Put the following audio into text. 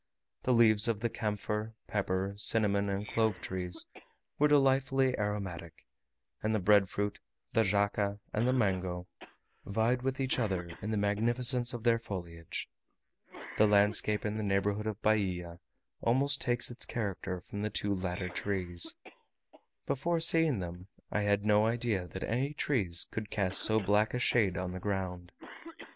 The leaves of the camphor, pepper, cinnamon, and clove trees were delightfully aromatic; and the bread fruit, the jaca, and the mango, vied with each other in the magnificence of their foliage. The landscape in the neighbourhood of Bahia almost takes its character from the two latter trees. Before seeing them, I had no idea that any trees could cast so black a shade on the ground.